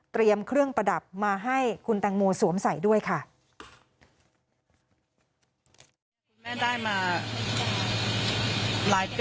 เครื่องประดับมาให้คุณแตงโมสวมใส่ด้วยค่ะ